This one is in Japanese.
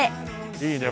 いいね